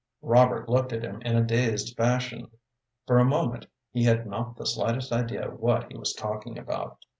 Robert looked at him in a dazed fashion. For a moment he had not the slightest idea what he was talking about.